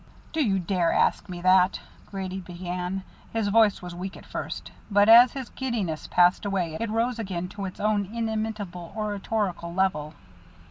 "Do you dare ask me that?" Grady began. His voice was weak at first, but as his giddiness passed away it arose again to its own inimitable oratorical level.